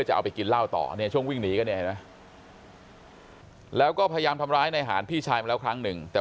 ก็พยายามทำร้ายนายหานพี่ชายมาแล้วครั้งหนึ่ง